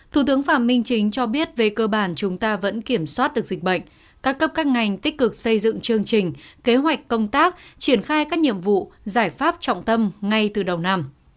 thủ tướng phạm minh chính cho biết về cơ bản chúng ta vẫn kiểm soát được dịch bệnh các cấp các ngành tích cực xây dựng chương trình kế hoạch công tác triển khai các nhiệm vụ giải pháp trọng tâm ngay từ đầu năm